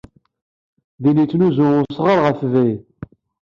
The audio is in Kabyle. Din i yettnuzu usɣar ɣef ubrid.